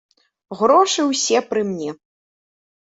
Грошы ўсе пры мне.